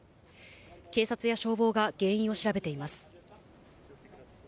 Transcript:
警察や消防が原因を調べています。